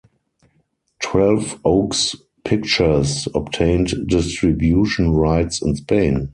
Twelve Oaks Pictures obtained distribution rights in Spain.